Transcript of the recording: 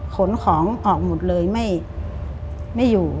ขนของออกหมดเลยไม่อยู่